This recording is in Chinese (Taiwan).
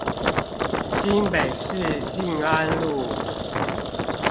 新北市靜安路